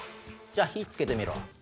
じゃあ火つけてみろ。